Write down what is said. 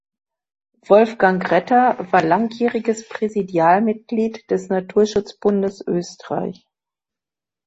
Wolfgang Retter war langjähriges Präsidialmitglied des Naturschutzbundes Österreich.